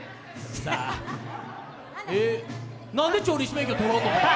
なんで調理師免許、取ろうと思ったの？